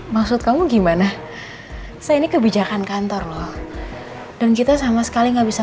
maksud kamu gimana saya ini kebijakan kantor loh dan kita sama sekali nggak bisa